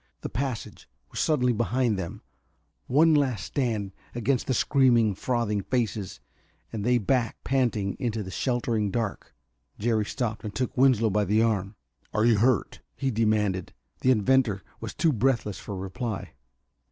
The passage was suddenly behind them. One last stand against the screaming, frothing faces, and they backed, panting, into the sheltering dark. Jerry stopped and took Winslow by the arm. "Are you hurt?" he demanded. The inventor was too breathless for reply.